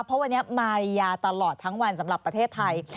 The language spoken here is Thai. เพราะวันนี้มาริยาตลอดทั้งวันสำหรับประเทศไทย